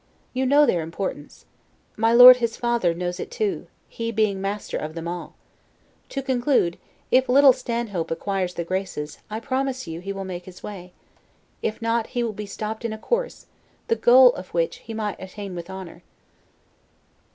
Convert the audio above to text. You know their importance. My Lord, his father, knows it too, he being master of them all. To conclude, if little Stanhope acquires the graces, I promise you he will make his way; if not, he will be stopped in a course, the goal of which he might attain with honor.